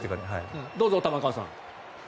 どうぞ、玉川さん。